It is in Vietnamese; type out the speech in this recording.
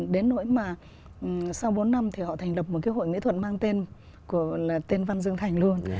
đến nỗi mà sau bốn năm thì họ thành lập một cái hội nghệ thuật mang tên của tên văn dương thành luôn